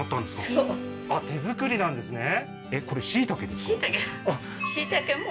そう手作りなんですね